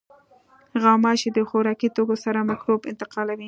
غوماشې د خوراکي توکو سره مکروب انتقالوي.